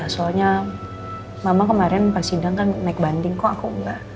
soalnya mama kemarin pas sidang kan naik banding kok aku enggak